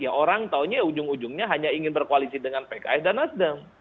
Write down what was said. ya orang taunya ujung ujungnya hanya ingin berkoalisi dengan pks dan nasdem